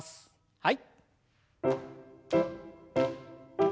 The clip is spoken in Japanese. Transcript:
はい。